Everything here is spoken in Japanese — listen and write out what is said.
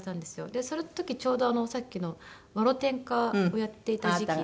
でその時ちょうどさっきの『わろてんか』をやっていた時期で。